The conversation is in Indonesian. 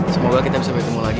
semoga kita bisa bertemu lagi